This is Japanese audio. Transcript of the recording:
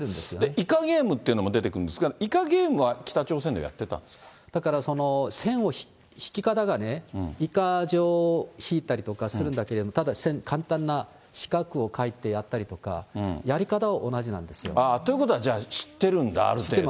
イカゲームっていうのも出てくるんですが、イカゲームは北朝だから、線の引き方がイカじょうを引いたりとかするんだけど、ただ簡単な四角を書いてやったりとか、やり方は同じなんですよ。ということは、じゃあ、知ってるんだ、ある程度。